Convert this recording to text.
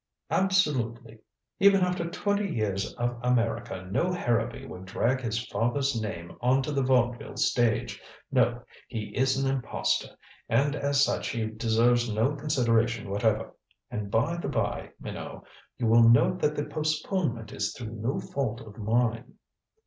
"Absolutely. Even after twenty years of America no Harrowby would drag his father's name on to the vaudeville stage. No, he is an impostor, and as such he deserves no consideration whatever. And by the by, Minot you will note that the postponement is through no fault of mine."